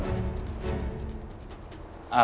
ya gimana dong ya